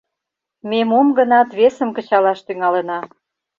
Ме мом-гынат весым кычалаш тӱҥалына.